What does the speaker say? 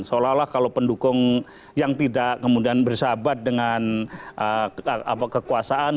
seolah olah kalau pendukung yang tidak kemudian bersahabat dengan kekuasaan